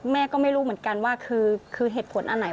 แม่ก็ไม่รู้เหมือนกันว่าคือเหตุผลอันไหน